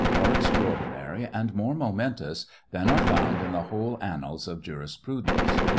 723 more extraordinary, and more momentous than are found in the whole annals of jurisprudence.